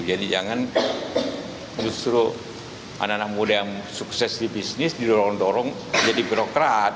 jadi jangan justru anak anak muda yang sukses di bisnis didorong dorong jadi birokrat